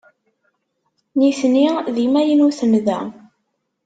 Nitni d imaynuten da.